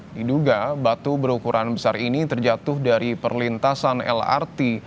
diduga batu berukuran besar ini terjatuh dari perlintasan lrt